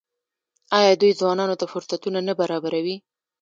آیا دوی ځوانانو ته فرصتونه نه برابروي؟